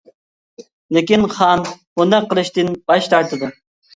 لېكىن خان بۇنداق قىلىشتىن باش تارتىدۇ.